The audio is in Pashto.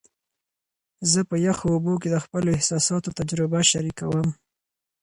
زه په یخو اوبو کې د خپلو احساساتو تجربه شریکوم.